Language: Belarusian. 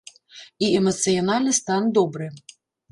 І эмацыянальны стан добры!